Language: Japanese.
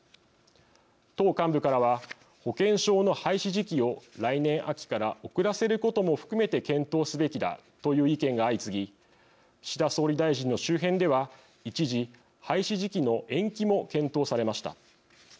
党幹部からは保険証の廃止時期を来年秋から遅らせることも含めて検討すべきだという意見が相次ぎ岸田総理大臣の周辺では、一時廃止時期の延期も検討されました。